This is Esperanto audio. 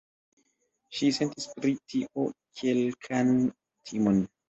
Ŝi sentis pri tio kelkan timon.